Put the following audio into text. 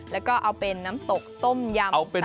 แล้วก็เอาเป็นน้ำตกต้มยำใส่น้ำข้น